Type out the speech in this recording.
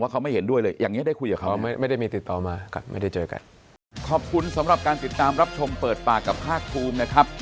ว่าเขาไม่เห็นด้วยเลยอย่างนี้ได้คุยกับเขาไหม